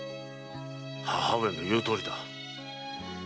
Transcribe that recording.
母上の言うとおりだ。